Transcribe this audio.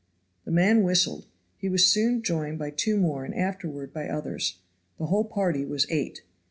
The man whistled. He was soon joined by two more and afterward by others. The whole party was eight.